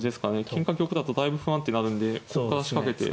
金か玉だとだいぶ不安定になるんでここから仕掛けて。